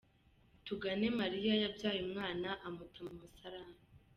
Tuganemariya yabyaye umwana amuta mu musarani